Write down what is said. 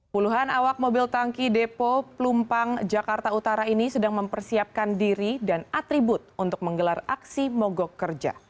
puluhan awak mobil tangki depo plumpang jakarta utara ini sedang mempersiapkan diri dan atribut untuk menggelar aksi mogok kerja